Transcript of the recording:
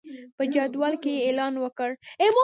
په جندول کې یې اعلان وکړ.